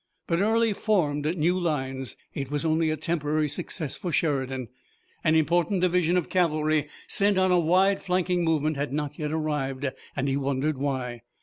But Early formed new lines. It was only a temporary success for Sheridan. An important division of cavalry sent on a wide flanking movement had not yet arrived, and he wondered why.